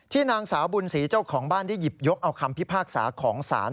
นางสาวบุญศรีเจ้าของบ้านได้หยิบยกเอาคำพิพากษาของศาล